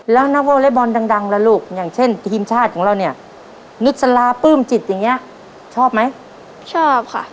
แล้วนักวอเล็กบอลดังล่ะลูกอย่างเช่นทีมชาติของเราเนี่ยนุษลาปลื้มจิตอย่างเงี้ยชอบไหมชอบค่ะ